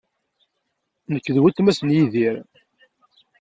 Nekk d weltma-s n Yidir.